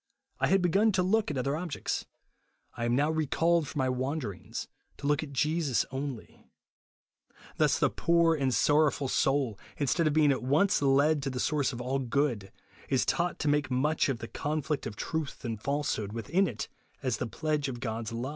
I had begun to look at other objects ; I am now recalled from my wanderings to look at Jesus only."* * "Tims tlie poor and sorrowful soul, instead of being at once led to the source of all good, is taught to make much of the conflict of truth and falsehood within it as the pledge of God's kve ; and to pictura q2 186 JESUS ONLY.